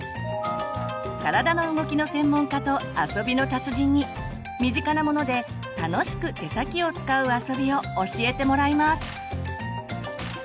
体の動きの専門家と遊びの達人に身近なもので楽しく手先を使う遊びを教えてもらいます！